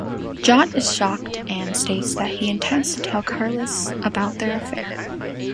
John is shocked and states that he intends to tell Carlos about their affair.